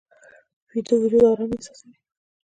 ویده وجود آرام احساسوي